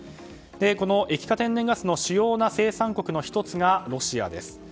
この液化天然ガスの主要な生産国の１つがロシアです。